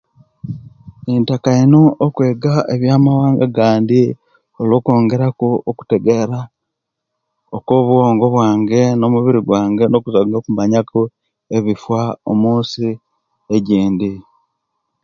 Ntaka ino okwega ebyamawanga agandi olwo kwongera ku okutegera okubwongo bwange nokumubiri gwange nokumanya ku ebifa omunsi egindi